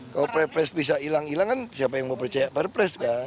kalau perpres bisa hilang hilang kan siapa yang mau percaya perpres kan